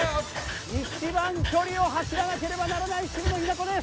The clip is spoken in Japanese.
一番距離を走らなければならない渋野日向子です！